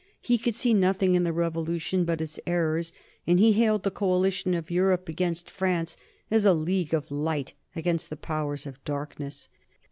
He could see nothing in the Revolution but its errors, and he hailed the coalition of Europe against France as a league of light against the powers of darkness.